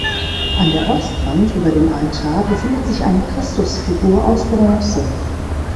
An der Ostwand über dem Altar befindet sich eine Christusfigur aus Bronze.